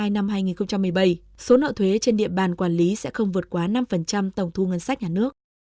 năm hai nghìn một mươi bảy số nợ thuế trên địa bàn quản lý sẽ không vượt quá năm tổng thu ngân sách nhà nước